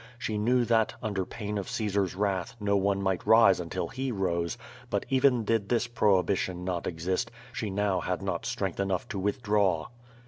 She knew that, under pain of Caesar^s wrath, no one might rise until he rose; but even did this prohibition not exist, she now had not strength enough to withdraw.